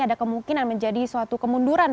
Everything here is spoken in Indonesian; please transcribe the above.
ada kemungkinan menjadi suatu kemunduran